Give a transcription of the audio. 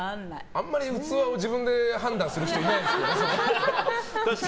あんまり器は自分で判断する人いないですけど。